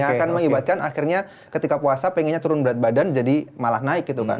yang akan mengibatkan akhirnya ketika puasa pengennya turun berat badan jadi malah naik gitu kan